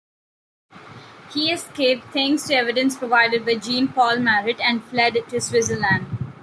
He escaped, thanks to evidence provided by Jean-Paul Marat, and fled to Switzerland.